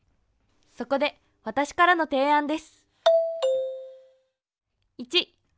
そこで私からの提案です！